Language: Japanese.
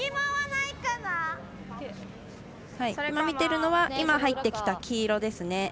見ているのは、今入ってきた黄色ですね。